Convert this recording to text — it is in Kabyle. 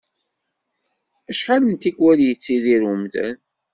Acḥal n tikwal i yettidir umdan.